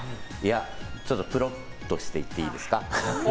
ちょっとプロとして言っていいですか。